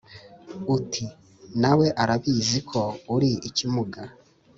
Uti : Nawe arabizi ko uri ikimuga